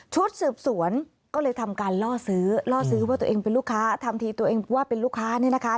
ชุดสืบสวนก็เลยทำการล่อซื้อล่อซื้อว่าตัวเองเป็นลูกค้า